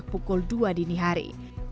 pukul dua dini hari